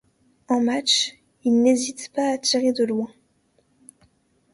En match, il n'hésite pas à tirer de loin.